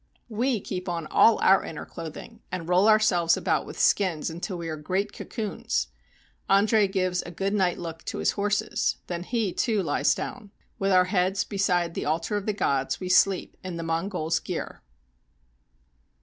We keep on all our inner clothing, and roll ourselves about with skins until we are great cocoons. Andre gives a good night look to his horses; then he, too, lies down. With our heads beside the altar of the gods, we sleep, in the Mongol's gir.